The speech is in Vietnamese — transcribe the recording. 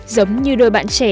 giống như đôi bạn trẻ